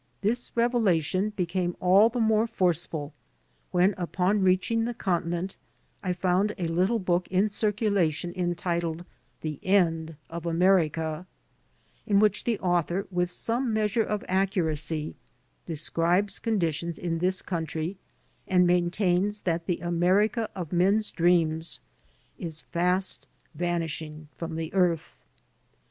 This revela tion became all the more forceful when upon reaching the continent I found a little book in circulation en titled, "The End of America," in which the author with some measure of accuracy describes conditions in this country and maintains that the America of men's dreams is fast vanishing from the earth.